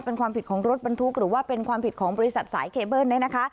เป็นความผิดของรถบรรทุกหรือว่าเป็นความผิดของบริษัทสายเคเบิ้ลเนี่ยนะคะ